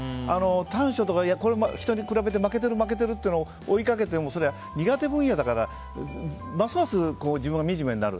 短所とか、これは人に比べて負けてる、負けてるってものを追いかけても、それは苦手分野だからますます自分がみじめになる。